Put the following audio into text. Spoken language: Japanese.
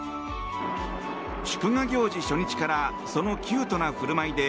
祝賀行事初日からそのキュートな振る舞いで